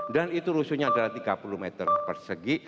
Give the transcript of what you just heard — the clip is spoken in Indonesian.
dan itu rusunnya adalah tiga puluh meter persegi